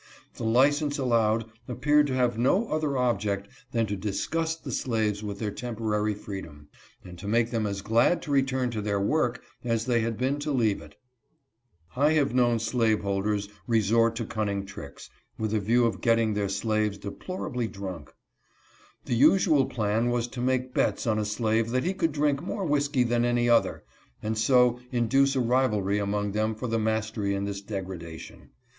The license allowed appeared to have no other object than to disgust the slaves with their tempo rary freedom, and to make them as glad to return to their work as they had been to leave it. I have known slavehold ers resort to cunning tricks, with a view of getting their WILLIAM PIIEELAND. 183 slaves deplorably drunk. The usual plan was to make bets on a slave that he could drink more whisky than any other, and so induce a rivalry among them for the mastery in this degradation.